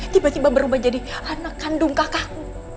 tiba tiba berubah jadi anak kandung kakakku